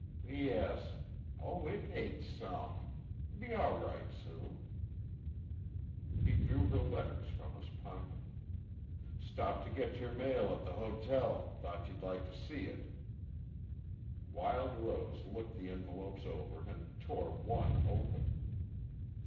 "Yes. Oh, it aches some. Be all right soon." He drew her letters from his pocket. "Stopped to get your mail at the hotel. Thought you'd like to see it." Wild Rose looked the envelopes over and tore one open.